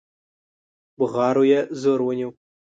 بغارو يې زور ونيو.